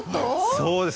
そうです。